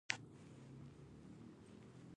ازادي راډیو د روغتیا د تحول لړۍ تعقیب کړې.